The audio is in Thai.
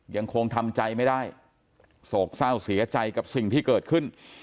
ยังคงทำใจไม่ได้โศกเศร้าเสียใจกับสิ่งที่เกิดขึ้น